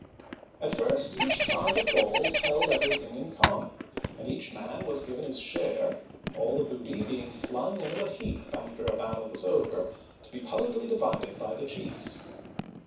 At first each tribe of Gauls held everything in common, and each man was given his share, all the booty being "flung into a heap after a battle was over, to be publicly divided by the chiefs.